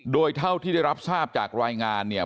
โดยเท่าที่ได้รับทราบจากรายงานเนี่ย